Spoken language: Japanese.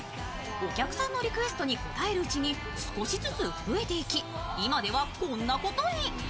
お客さんのリクエストに応えるうちに少しずつ増えていき今ではこんなことに。